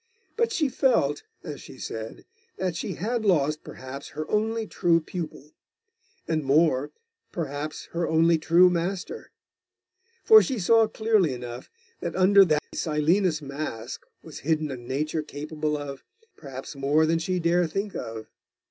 But she felt, as she said, that she had lost perhaps her only true pupil; and more perhaps her only true master. For she saw clearly enough, that under that Silenus' mask was hidden a nature capable of perhaps more than she dare think of.